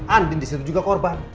andin disitu juga korban